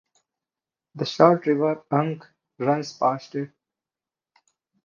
The short River Unk runs past it.